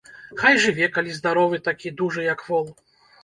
Хай жыве, калі здаровы такі, дужы, як вол.